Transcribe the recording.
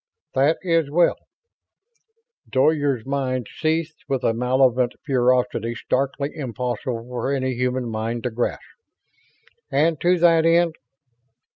"That is well." Zoyar's mind seethed with a malevolent ferocity starkly impossible for any human mind to grasp. "And to that end?"